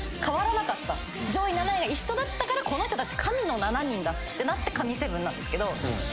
上位７人が一緒だったからこの人たち神の７人だってなって神７なんですけど。